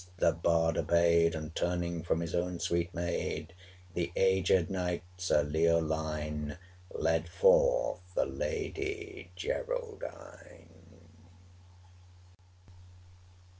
The bard obeyed; And turning from his own sweet maid, The agéd knight, Sir Leoline, Led forth the lady Geraldine!